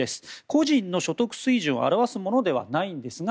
個人の所得水準を表すものではないんですが